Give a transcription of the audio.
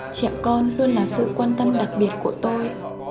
trẻ con luôn là sự quan tâm đặc biệt của tôi